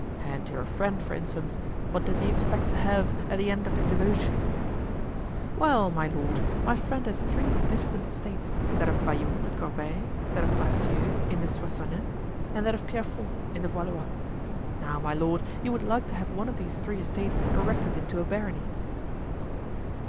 "And your friend, for instance; what does he expect to have at the end of his devotion?" "Well, my lord, my friend has three magnificent estates: that of Vallon, at Corbeil; that of Bracieux, in the Soissonais; and that of Pierrefonds, in the Valois. Now, my lord, he would like to have one of his three estates erected into a barony."